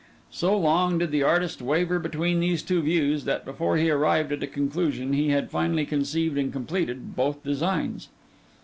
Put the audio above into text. So long did the artist waver between these two views, that, before he arrived at a conclusion, he had finally conceived and completed both designs.